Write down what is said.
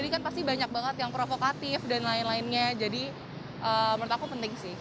ini kan pasti banyak banget yang provokatif dan lain lainnya jadi menurut aku penting sih